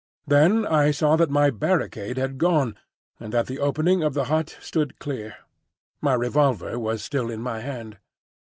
Then I saw that my barricade had gone, and that the opening of the hut stood clear. My revolver was still in my hand.